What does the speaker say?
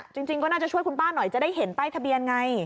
จริงก็น่าจะช่วยคุณป้าหน่อยจะได้เห็นป้ายทะเบียนไง